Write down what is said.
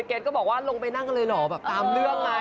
แล้วเกรฟลินทรก็บอกว่าลงไปนั่งเลยเหรอแบบตามเรื่องไง